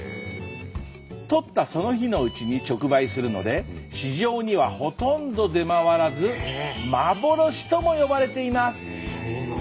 とったその日のうちに直売するので市場にはほとんど出回らず幻とも呼ばれています！